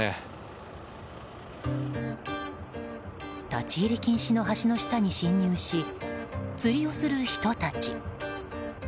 立ち入り禁止の橋の下に侵入し釣りをする人たち。